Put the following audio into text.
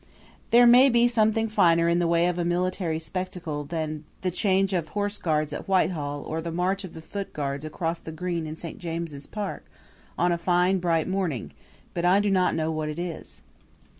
There may be something finer in the way of a military spectacle than the change of horse guards at Whitehall or the march of the foot guards across the green in St. James' Park on a fine, bright morning but I do not know what it is.